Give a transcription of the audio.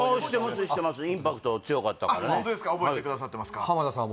インパクト強かったからね覚えてくださってますか浜田さん